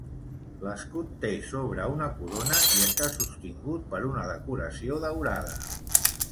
L'escut té sobre una corona i està sostingut per una decoració daurada.